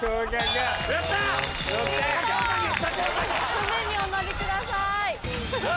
船にお乗りください。